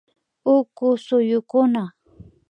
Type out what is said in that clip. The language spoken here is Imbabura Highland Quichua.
Uku suyukuna